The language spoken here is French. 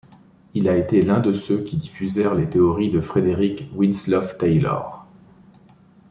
Il a été l'un de ceux qui diffusèrent les théories de Frederick Winslow Taylor.